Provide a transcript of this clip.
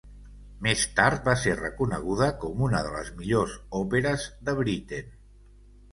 Més tard va ser reconeguda com una de les millors òperes de Britten.